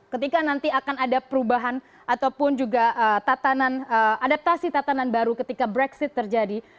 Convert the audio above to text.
ketika nanti akan ada perubahan ataupun juga adaptasi tatanan baru ketika brexit terjadi